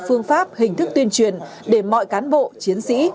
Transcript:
phương pháp hình thức tuyên truyền để mọi cán bộ chiến sĩ